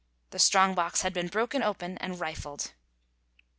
The strong box had been broken open and rifled.